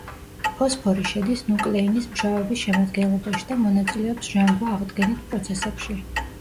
ფოსფორი შედის ნუკლეინის მჟავების შემადგენლობაში და მონაწილეობს ჟანგვა–აღდგენით პროცესებში.